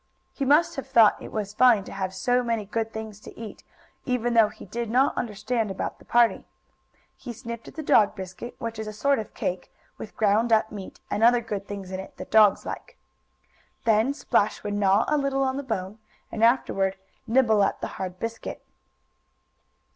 He must have thought it was fine to have so many good things to eat, even though he did not understand about the party. He sniffed at the dog biscuit, which is a sort of cake, with ground up meat, and other good things in it that dogs like. Then Splash would gnaw a little on the bone, and, afterward, nibble at the hard biscuit.